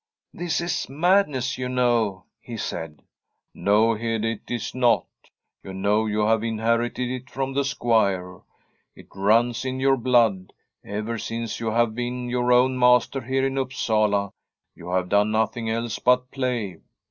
* This is madness, you know,' he said. * No, Hede, it is not. You know you have in herited it from the Squire. It runs in your blood. Ever since you have been your own master here in Upsala you have done nothing else but play.